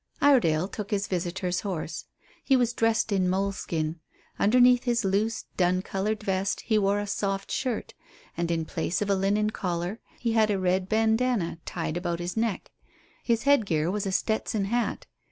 Iredale took his visitor's horse. He was dressed in moleskin. Underneath his loose, dun coloured vest he wore a soft shirt, and in place of a linen collar he had a red bandana tied about his neck. His headgear was a Stetson hat.